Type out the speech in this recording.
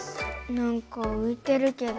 なんかういてるけど。